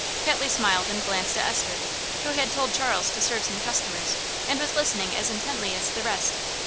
Ketley smiled and glanced at Esther, who had told Charles to serve some customers, and was listening as intently as the rest.